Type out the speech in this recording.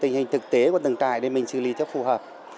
tình hình thực tế của từng trại để mình xử lý cho phù hợp